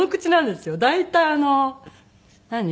大体あの何？